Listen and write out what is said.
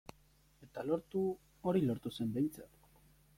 Eta lortu, hori lortu zen behintzat.